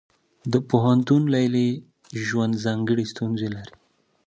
د پوهنتون لیلیې ژوند ځانګړې ستونزې لري.